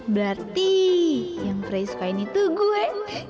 seperti yang frey sukain itu gue